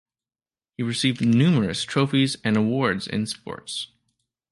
He received numerous trophies and awards in sports.